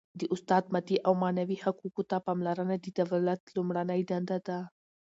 د استاد مادي او معنوي حقوقو ته پاملرنه د دولت لومړنۍ دنده ده.